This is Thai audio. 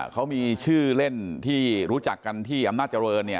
เขามีชื่อเล่นที่รู้จักกันที่อำนาจเจริญ